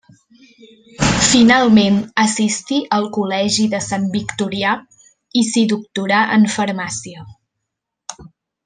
Finalment assistí al Col·legi de Sant Victorià i s'hi doctorà en farmàcia.